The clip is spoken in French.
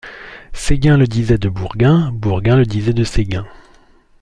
Séguin le disait de Bourgain ; Bourgain le disait de Séguin.